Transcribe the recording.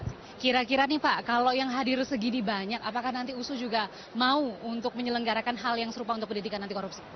kira kira nih pak kalau yang hadir segini banyak apakah nanti usu juga mau untuk menyelenggarakan hal yang serupa untuk pendidikan anti korupsi